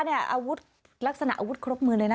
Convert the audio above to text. อาวุธลักษณะอาวุธครบมือเลยนะ